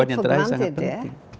kita tidak bisa mengambil alihnya